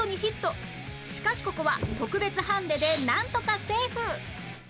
しかしここは特別ハンデでなんとかセーフ